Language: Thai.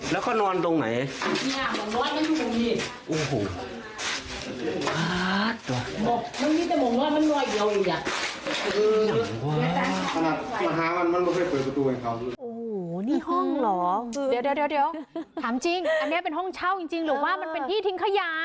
ถามจริงอันนี้เป็นห้องเช่าจริงหรือว่ามันเป็นที่ทิ้งขยา